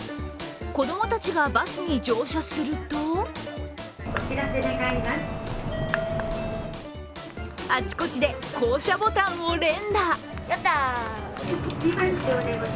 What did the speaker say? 子供たちがバスに乗車するとあちこちで降車ボタンを連打。